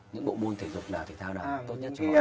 những bộ môn thể dục nào thể thao đạt tốt nhất cho họ